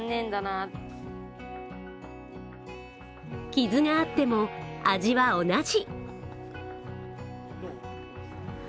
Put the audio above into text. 傷があっても味は同じ。